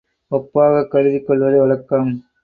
ஒப்பாகக் கருதிக்கொள்வது வழக்கம்.